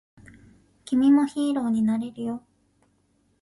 君もヒーローになれるよ